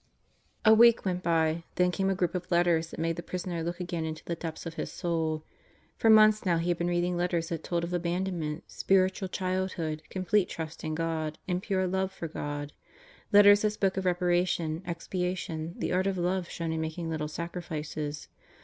... A week went by. Then came a group of letters that made the prisoner look again into the depths of his soul. For months now he had been reading letters that told of Abandonment, Spiritual Childhood, Complete Trust in God, and Pure Love for God; letters that spoke of reparation, expiation, the art of love shown in making little sacrifices.